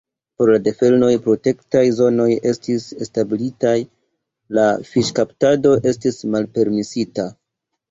Por la delfenoj protektaj zonoj estis establitaj, la fiŝkaptado estis malpermesita.